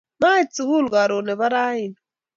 Mait sukul karon nebo raini